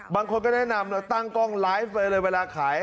บางคนก็แนะนำเราตั้งกล้องไลฟ์ไปเลยเวลาขาย